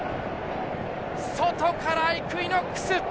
外からイクイノックス！